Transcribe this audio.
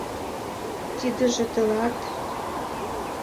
— Тидыже тылат!